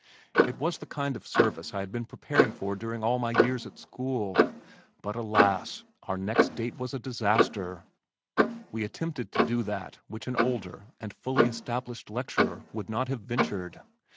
It was the kind of service I had been preparing for during all my years at school but alas! our next date was a disaster. We attempted to do that which an older and fully established lecturer would not have ventured.